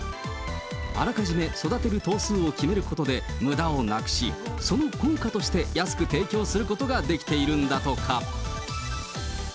あらかじめ育てる頭数を決めることで、むだをなくしその効果として安く提供することができているんだとか。